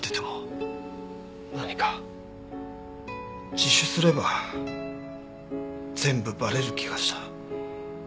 自首すれば全部バレる気がした。